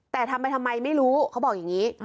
แต่ทำไปทำไมไม่รู้เขาบอกอย่างนี้